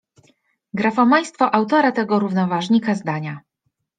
Grafomaństwo autora tego równoważnika zdania.